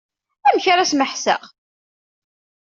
Amek ara smeḥseɣ.